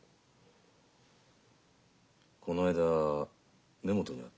この間根本に会った。